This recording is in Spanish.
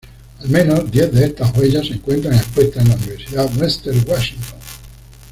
Al menos diez de estas huellas se encuentran expuestas en la Universidad Western Washington.